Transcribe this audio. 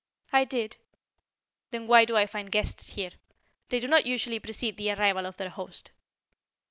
"I did." "Then why do I find guests here? They do not usually precede the arrival of their host."